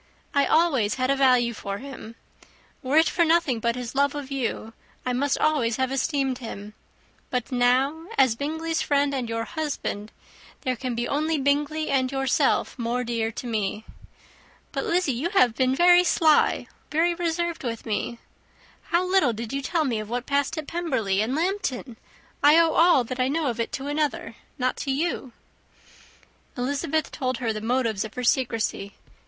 I always had a value for him. Were it for nothing but his love of you, I must always have esteemed him; but now, as Bingley's friend and your husband, there can be only Bingley and yourself more dear to me. But, Lizzy, you have been very sly, very reserved with me. How little did you tell me of what passed at Pemberley and Lambton! I owe all that I know of it to another, not to you." Elizabeth told her the motives of her secrecy.